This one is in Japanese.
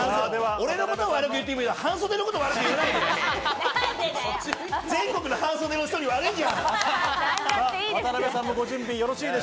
俺のことを悪く言っても、半袖のことを悪く言わないで！